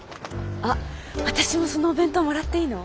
あっ私もそのお弁当もらっていいの？